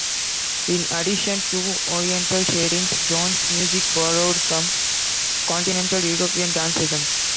In addition to oriental shadings, Jones's music borrowed from continental European dance rhythms.